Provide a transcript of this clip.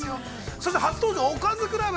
そして、初登場、おかずクラブ！